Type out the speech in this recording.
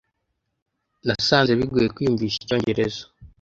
Nasanze bigoye kwiyumvisha icyongereza.